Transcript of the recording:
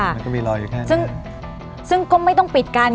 มันก็มีรอยอยู่แค่นั้นซึ่งก็ไม่ต้องปิดกัน